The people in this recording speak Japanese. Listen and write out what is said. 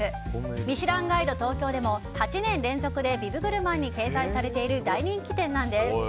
「ミシュランガイド東京」でも８年連続でビブグルマンに掲載されている大人気店なんです。